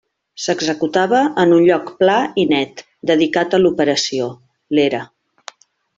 S'executava en un lloc pla i net, dedicat a l'operació: l'era.